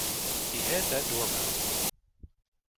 Behead that Dormouse!